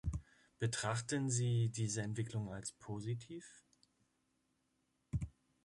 Betrachten Sie diese Entwicklung als positiv?